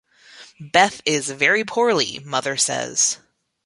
Beth is very poorly, mother says.